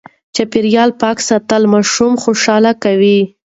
چاپېريال پاک ساتل ماشوم خوشاله کوي.